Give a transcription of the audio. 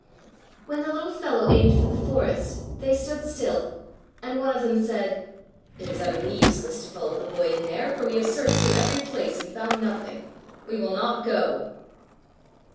When the little fellow aimed for the forest they stood still, and one of them said: "It is utterly useless to follow the boy in there, for we have searched through every place and found nothing. We will not go."